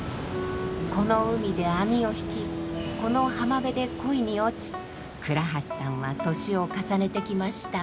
この海で網を曳きこの浜辺で恋に落ち鞍橋さんは年を重ねてきました。